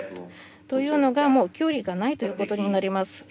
というのが、もう距離がないということになります。